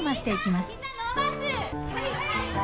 はい！